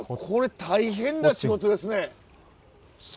これ大変な仕事ですね。